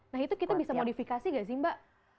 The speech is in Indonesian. nah itu kita bisa modifikasi nggak sih mbak